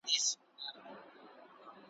چي د چا په سر كي سترگي د ليدو وي `